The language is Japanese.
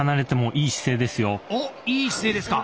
いい姿勢ですか。